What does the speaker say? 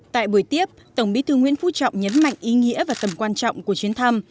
tại buổi tiếp tổng bí thư nguyễn phú trọng nhấn mạnh ý nghĩa và tầm quan trọng của chuyến thăm